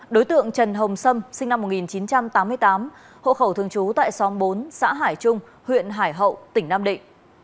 đối tượng trần hồng sâm sinh năm một nghìn chín trăm tám mươi tám hộ khẩu thường trú tại xóm bốn xã hải trung huyện hải hậu tỉnh nam định